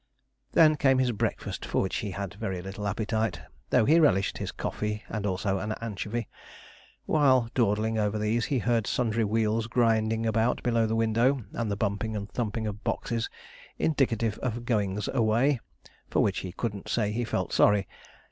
Then came his breakfast, for which he had very little appetite, though he relished his coffee, and also an anchovy. While dawdling over these, he heard sundry wheels grinding about below the window, and the bumping and thumping of boxes, indicative of 'goings away,' for which he couldn't say he felt sorry.